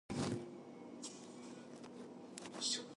ازادي راډیو د اقلیم حالت ته رسېدلي پام کړی.